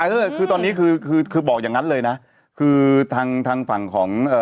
เอ้อคือตอนนี้คือคือคือบอกอย่างนั้นเลยนะคือต่างฝั่งของ